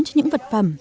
khiến những vật phẩm